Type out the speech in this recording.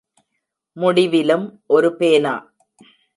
முடிவிலும் ஒரு பேனா.